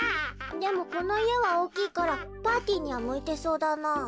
でもこのいえはおおきいからパーティーにはむいてそうだなあ。